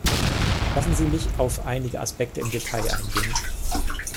Lassen Sie mich auf einige Aspekte im Detail eingehen.